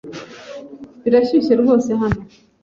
Birashyushye rwose hano.